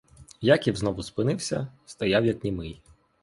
Яків знову спинився, стояв як німий.